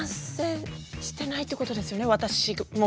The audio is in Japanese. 私も。